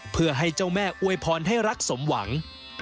เพื่อให้เจ้าแม่อวยพรให้รักสมหวัง